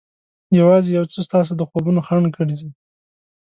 یوازې یو څه ستاسو د خوبونو خنډ ګرځي.